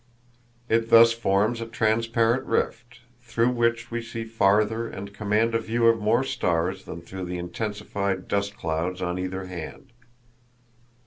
It thus forms a transparent rift, through which we see farther and command a view of more stars than through the intensified dust clouds on either hand.